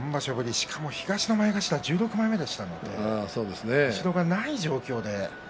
しかも東の前頭１６枚目後ろがない状況で。